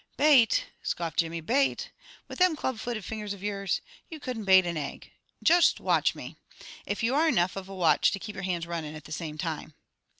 "Bate!" scoffed Jimmy. "Bate! With them club footed fingers of yours? You couldn't bate an egg. Just watch me! If you are enough of a watch to keep your hands runnin' at the same time."